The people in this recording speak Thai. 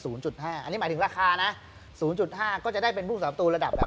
อันนี้หมายถึงราคานะ๐๕ก็จะได้เป็นผู้๓ประตูระดับแบบ